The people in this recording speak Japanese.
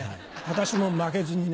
私も負けずにね。